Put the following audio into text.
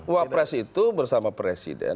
wapres itu bersama presiden